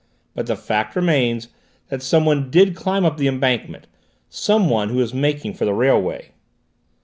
But the fact remains that someone did climb up the embankment, someone who was making for the railway."